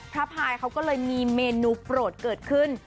พายเขาก็เลยมีเมนูโปรดเกิดขึ้น